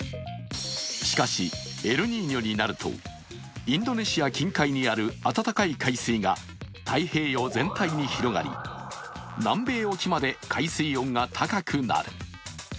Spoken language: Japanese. しかし、エルニーニョになるとインドネシア近海にある暖かい海水が太平洋全体に広がり南米沖まで海水温が高くなる。